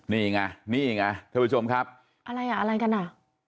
นี่ไงนี่ไงท่านผู้ชมครับอะไรอ่ะอะไรกันอ่ะ